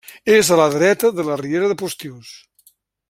És a la dreta de la Riera de Postius.